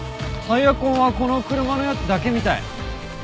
タイヤ痕はこの車のやつだけみたい。